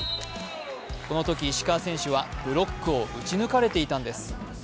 このとき石川選手はブロックを打ち抜かれていたんです。